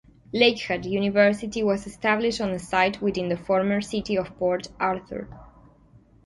Lakehead University was established on a site within the former city of Port Arthur.